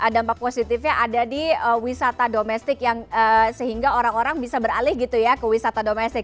dampak positifnya ada di wisata domestik yang sehingga orang orang bisa beralih gitu ya ke wisata domestik